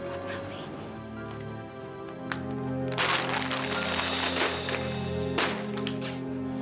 riri buat nasi